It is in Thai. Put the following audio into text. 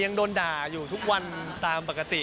ยังโดนด่าอยู่ทุกวันตามปกติ